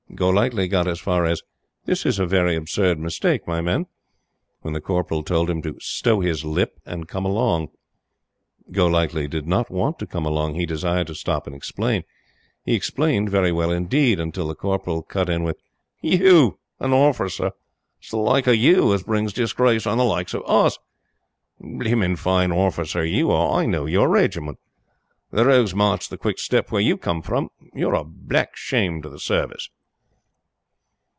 Golightly got as far as "This is a very absurd mistake, my men," when the Corporal told him to "stow his lip" and come along. Golightly did not want to come along. He desired to stop and explain. He explained very well indeed, until the Corporal cut in with: "YOU a orficer! It's the like o' YOU as brings disgrace on the likes of US. Bloom in' fine orficer you are! I know your regiment. The Rogue's March is the quickstep where you come from. You're a black shame to the Service."